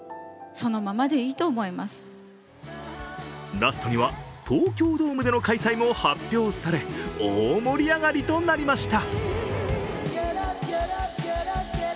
ラストには東京ドームでの開催も発表され大盛り上がりとなりました。